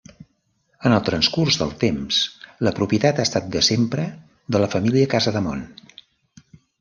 En el transcurs del temps, la propietat ha estat de sempre de la família Casademont.